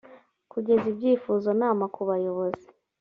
kugeza ibyifuzonama ku bayobozi